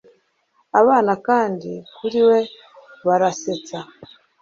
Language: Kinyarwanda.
abana kandi kuri we barasetsa